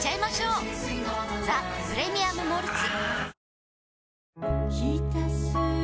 「ザ・プレミアム・モルツ」